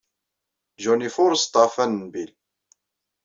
John ifuṛes ḍḍeɛfan n Bill.